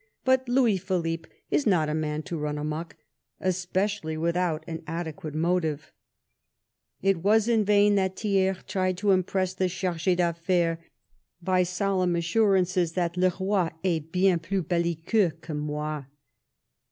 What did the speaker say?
but Louis Philippe is not a man to run amuck, especially without an adequate motive.'' It was in vain that Thiers tried to impress the Gharg6 d' Affaires by solemn assur ances that ie roi est bienplus belliqueux que moi.